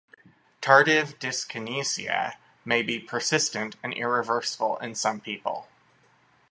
Tardive dyskinesia may be persistent and irreversible in some people.